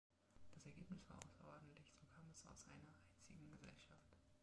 Das Ergebnis war außerordentlich, so kam es aus einer einzigen Gesellschaft.